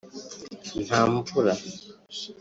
nta mvura